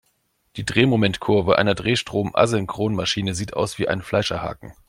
Die Drehmomentkurve einer Drehstrom-Asynchronmaschine sieht aus wie ein Fleischerhaken.